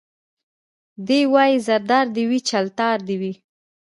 دی وايي زردار دي وي چلتار دي وي